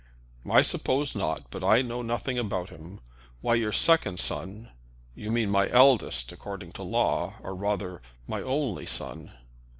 "I suppose not; but I know nothing about him. Why your second son " "You mean my eldest according to law, or rather my only son!"